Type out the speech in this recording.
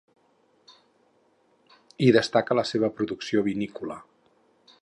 Hi destaca la seua producció vinícola.